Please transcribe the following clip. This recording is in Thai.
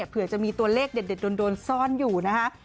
เผื่อจะมีตัวเลขเด็ดโดนซ่อนอยู่นะคะ